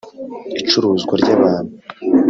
icuruzwa ry’abantu